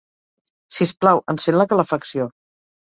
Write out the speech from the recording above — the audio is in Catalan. Sisplau, encén la calefacció.